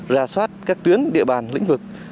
ra soát các tuyến địa bàn lĩnh vực